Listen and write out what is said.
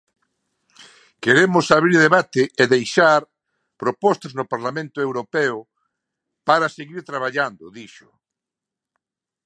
"Queremos abrir debate e deixar propostas no Parlamento Europeo para seguir traballando", dixo.